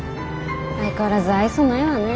相変わらず愛想ないわね。